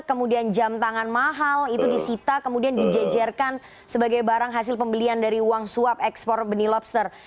kemudian jam tangan mahal itu disita kemudian dijejerkan sebagai barang hasil pembelian dari uang suap ekspor benih lobster